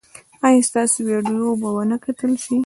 ایا ستاسو ویډیو به و نه کتل شي؟